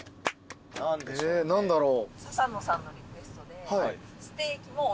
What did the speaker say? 何だろう？